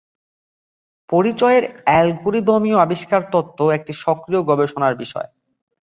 পরিচয়ের অ্যালগরিদমীয় আবিষ্কার তত্ত্ব একটি সক্রিয় গবেষণা বিষয়।